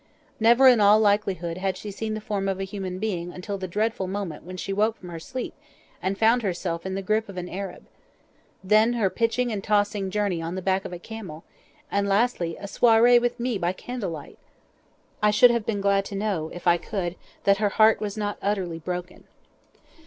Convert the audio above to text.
Never in all likelihood had she seen the form of a human being until the dreadful moment when she woke from her sleep and found herself in the grip of an Arab. Then her pitching and tossing journey on the back of a camel, and lastly, a soireé with me by candlelight! I should have been glad to know, if I could, that her heart was not utterly broken.